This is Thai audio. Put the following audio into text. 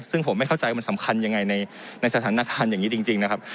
ซึ่งผมไม่เข้าใจว่ามันสำคัญยังไงในสถานการณ์อย่างนี้จริงนะครับ